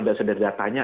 sudah sederhana datangnya